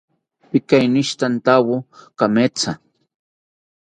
Pikeinistantawo kametha